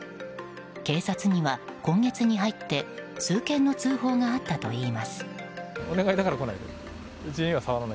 警察には今月に入って数件の通報があったといいます。